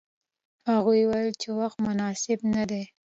هغوی ویل چې وخت مناسب نه دی.